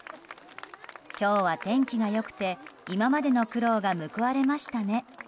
今日は天気が良くて今までの苦労が報われましたね。